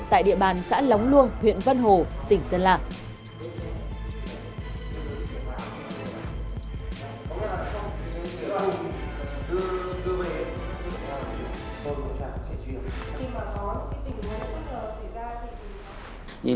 tại địa bàn xã lóng luông huyện vân hồ tỉnh sơn lạc